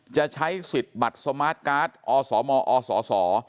จะใช้สิทธิ์บัตรสมาร์ทการ์ดอสมอส